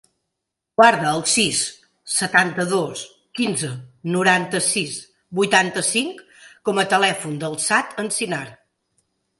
Guarda el sis, setanta-dos, quinze, noranta-sis, vuitanta-cinc com a telèfon del Saad Encinar.